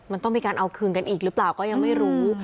มันต้องมีการเอาคืนกันอีกหรือเปล่าก็ยังไม่รู้